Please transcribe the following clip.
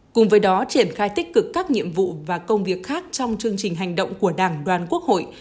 cùng với đó triển khai tích cực các nhiệm vụ và công việc khác trong chương trình hành động của đảng đoàn quốc hội